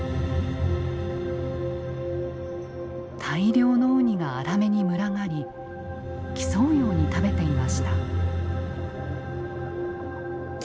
大量のウニがアラメに群がり競うように食べていました。